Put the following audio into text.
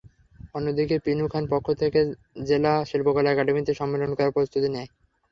অন্যদিকে পিনু খান পক্ষ জেলা শিল্পকলা একাডেমীতে সম্মেলন করার প্রস্তুতি নেয়।